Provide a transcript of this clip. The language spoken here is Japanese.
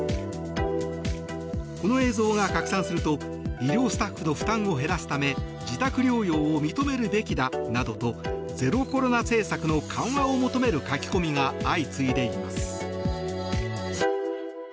この映像が拡散すると医療スタッフの負担を減らすため自宅療養を認めるべきだなどとゼロコロナ政策の緩和を求める書き込みが相次いでいます。